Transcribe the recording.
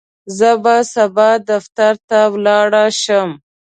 زه به سبا دفتر ته ولاړ شم.